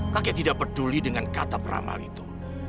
kakek tidak peduli dengan kata peramal itu